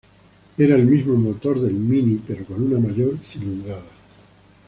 Era el mismo motor del Mini, pero con una mayor cilindrada.